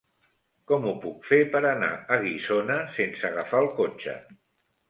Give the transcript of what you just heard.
Com ho puc fer per anar a Guissona sense agafar el cotxe?